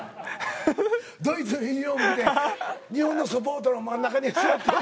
ドイツのユニホーム着て日本のサポーターの真ん中に座って俺。